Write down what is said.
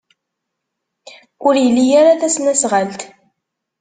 Ur ili ara tasnasɣalt.